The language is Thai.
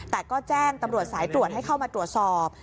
แต่ก็แจ้งตำรวจสายตรวจให้เข้ามาตรวจสอบ